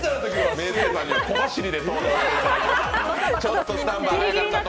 ＭａｙＪ．さんには小走りで登場いただきました。